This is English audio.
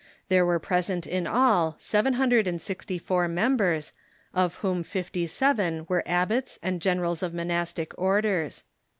There were present in all seven hundred and sixty four members, of Avhom fifty seven Avere abbots and generals of monastic orders.